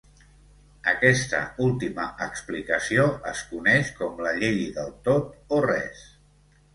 Aquesta última explicació es coneix com la llei del tot o res.